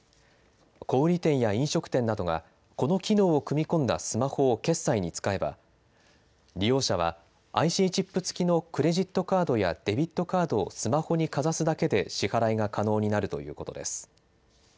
小売り店や飲食店などが、この機能を組み込んだスマホを決済に使えば、利用者は、ＩＣチップ付きのクレジットカードやデビットカードをスマホにかざすだけで支払いが可能になるということです。